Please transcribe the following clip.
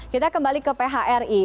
kita kembali ke phri